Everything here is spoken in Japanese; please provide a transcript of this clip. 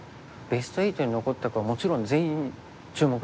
ベスト８に残った子はもちろん全員注目ですよね。